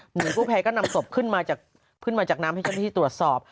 เหนื่อยผู้แพ้ก็นำศพขึ้นมาจากน้ำให้เช่นที่ตรวจสอบ